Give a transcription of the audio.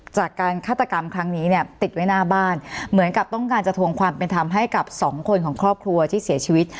จากการฆาตกรรมครั้งนี้เนี่ยติดไว้หน้าบ้านเหมือนกับต้องการจะทวงความเป็นธรรมให้กับสองคนของครอบครัวที่เสียชีวิต